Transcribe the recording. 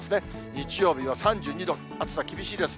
日曜日は３２度、暑さ厳しいです。